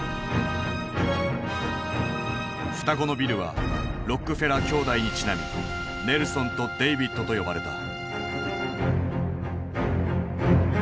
双子のビルはロックフェラー兄弟にちなみ「ネルソン」と「デイビッド」と呼ばれた。